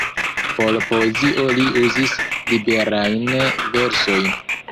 Por poezio li uzis liberajn versojn.